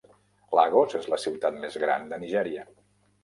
Lagos és la ciutat més gran de Nigèria.